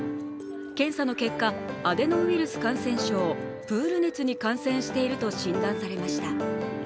検査の結果、アデノウイルス感染症＝プール熱に感染していると診断されました。